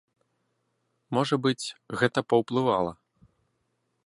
Можа быць, гэта паўплывала.